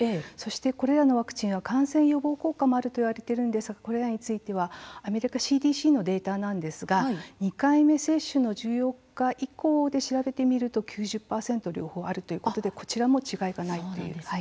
これらのワクチンは感染予防効果もあると言われているんですがこれらについてはアメリカＣＤＣのデータなんですが２回目接種の１４日以降で調べてみると９０％両方あるということでこちらも違いはありません。